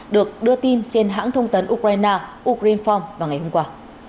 được đưa tin trên hãng thông tấn ukraine ugrinfaun vào ngày hôm qua